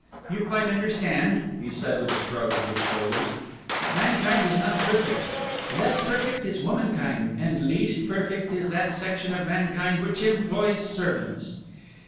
You quite understand," he said with a shrug of his shoulders, "that mankind is not perfect, less perfect is womankind, and least perfect is that section of mankind which employs servants.